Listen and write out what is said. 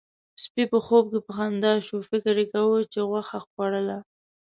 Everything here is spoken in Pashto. سپي په خوب کې په خندا شو، فکر يې کاوه چې غوښه خوړله.